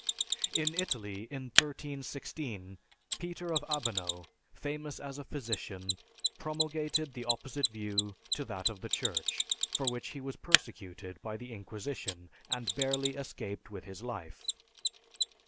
In Italy, in 1316, Peter of Abano, famous as a physician, promulgated the opposite view to that of the Church, for which he was persecuted by the Inquisition, and barely escaped with his life.